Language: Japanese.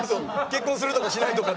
「結婚するとかしないとか」